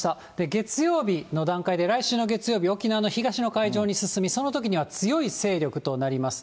月曜日の段階で来週の月曜日、沖縄の東の海上に進み、そのときには強い勢力となります。